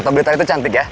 kota belita itu cantik ya